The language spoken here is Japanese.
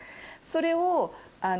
それを。